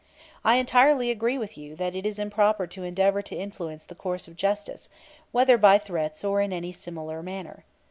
I entirely agree with you that it is improper to endeavor to influence the course of justice, whether by threats or in any similar manner.